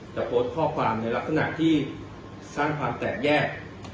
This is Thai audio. โพสต์ข้อความในลักษณะที่สร้างความแตกแยก